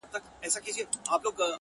• په قدم د سپېلني به د رڼا پر لوري ځمه -